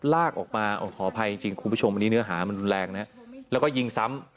ลากออกมาขออภัยจริงคุณผู้ชมอันนี้เนื้อหามันรุนแรงนะแล้วก็ยิงซ้ำ